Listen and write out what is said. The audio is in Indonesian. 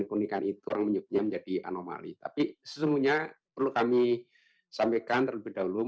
keunikan itu menyukai menjadi anomali tapi semuanya perlu kami sampaikan terlebih dahulu